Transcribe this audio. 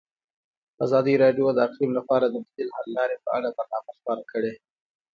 ازادي راډیو د اقلیم لپاره د بدیل حل لارې په اړه برنامه خپاره کړې.